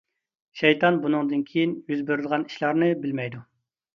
شەيتان بۇنىڭدىن كېيىن يۈز بېرىدىغان ئىشلارنى بىلمەيدۇ.